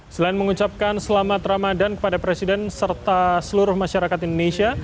selain mengucapkan selamat ramadan kepada presiden serta seluruh masyarakat indonesia